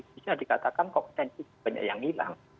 bisa dikatakan kompetensi banyak yang hilang